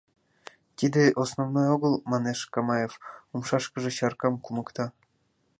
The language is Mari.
— Тиде — основной огыл, — манеш Камаев, умшашкыже чаркам кумыкта.